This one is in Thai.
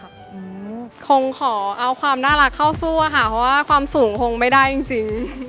คงขอเอาความน่ารักเข้าสู้อะค่ะเพราะว่าความสูงคงไม่ได้จริงจริง